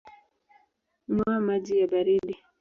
Nywa maji ya baridi